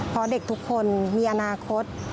เพราะเด็กทุกคนมีอนาคต